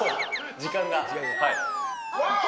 時間が。